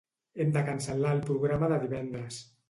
Hem de cancel·lar el programa de divendres.